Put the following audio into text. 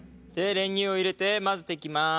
練乳を入れて混ぜていきます。